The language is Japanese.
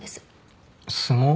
相撲？